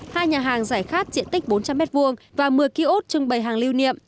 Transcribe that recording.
hai nhà hàng giải khát diện tích bốn trăm linh m hai và một mươi kiosk trưng bày hàng lưu niệm